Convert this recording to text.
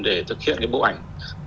để thực hiện cái bộ ảnh